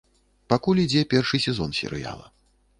Пакуль ідзе першы сезон серыяла.